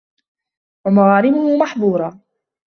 وَمَغَارِمُهُ مَخْبُورَةً